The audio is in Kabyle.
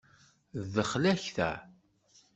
D ddexla-k ta?